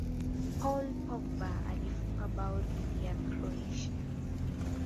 paul pogba alifunga bao dhidi ya Croatia